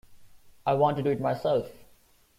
I want to do it myself.